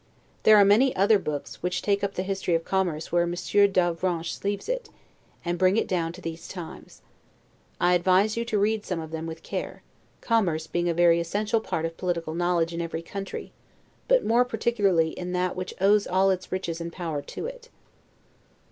There are many other books, which take up the history of commerce where Monsieur d'Avranches leaves it, and bring it down to these times. I advise you to read some of them with care; commerce being a very essential part of political knowledge in every country; but more particularly in that which owes all its riches and power to it.